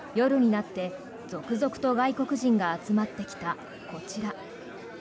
夜になって、続々と外国人が集まってきたこちら。